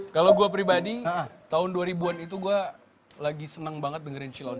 kalau gue pribadi tahun dua ribu an itu gue lagi seneng banget dengerin cilow